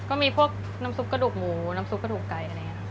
ก็มีพวกน้ำซุปกระดูกหมูน้ำซุปกระดูกไก่อะไรอย่างนี้ค่ะ